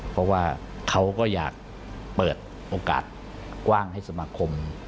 เพราะว่าเขาก็อยากเปิดโอกาสกว้างให้สมาคม